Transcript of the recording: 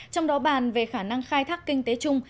trong đó bàn về khả năng khai thác kinh tế chung